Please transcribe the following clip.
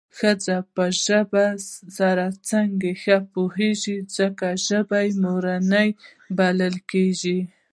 ښځه په ژبه د سړي څخه ښه پوهېږي څکه خو ژبه مورنۍ بلل کېږي